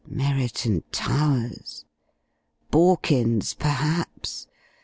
Merriton Towers! Borkins, perhaps.